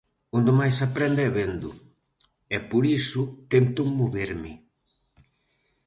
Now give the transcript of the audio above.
Onde máis se aprende é vendo, e por iso tento moverme